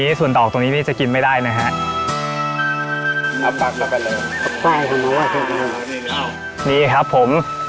เพราะส่วนดอกตรงนี้นี่จะกินไม่ได้นะฮะเอาปากมากันเลยนี่ครับผม